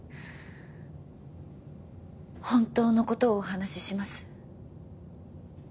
本当の事をお話しします。